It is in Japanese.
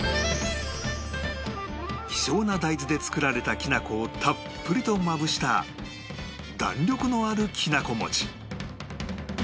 希少な大豆で作られたきなこをたっぷりとまぶした弾力のあるきなこ餅